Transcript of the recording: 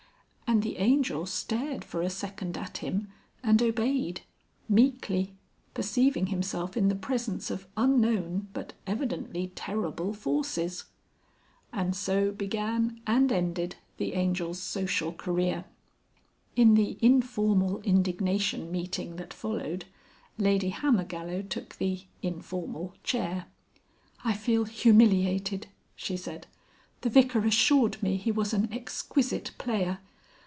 And the Angel stared for a second at him and obeyed meekly, perceiving himself in the presence of unknown but evidently terrible forces. And so began and ended the Angel's social career. In the informal indignation meeting that followed, Lady Hammergallow took the (informal) chair. "I feel humiliated," she said. "The Vicar assured me he was an exquisite player.